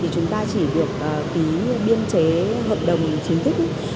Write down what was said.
thì chúng ta chỉ được ký biên chế hợp đồng chính thức